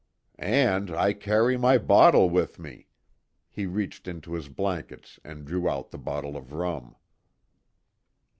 "And, I carry my bottle with me." He reached into his blankets and drew out the bottle of rum.